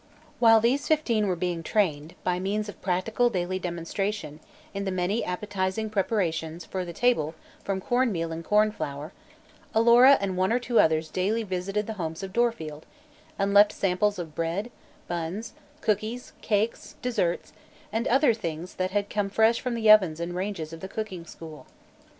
While these fifteen were being trained, by means of practical daily demonstration, in the many appetizing preparations for the table from corn meal and corn flour, Alora and one or two others daily visited the homes of Dorfield and left samples of bread, buns, cookies, cakes, desserts and other things that had come fresh from the ovens and range of the cooking school.